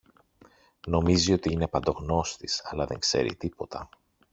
Νομίζει ότι είναι παντογνώστης, αλλά δεν ξέρει τίποτα!